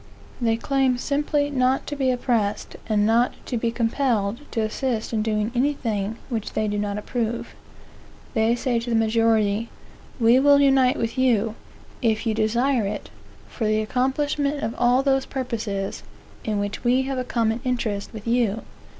They claim simply not to be oppressed, and not to be compelled to assist in doing anything which they do not approve. They say to the majority, " We will unite with you, if you desire it, for the accomplishment of all those purposes, in which we have a common interest with you.